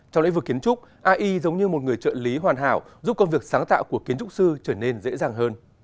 trong lĩnh vực kiến trúc ai giống như một người trợ lý hoàn hảo giúp công việc sáng tạo của kiến trúc sư trở nên dễ dàng hơn